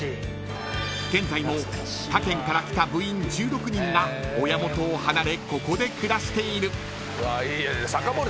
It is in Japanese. ［現在も他県から来た部員１６人が親元を離れここで暮らしている］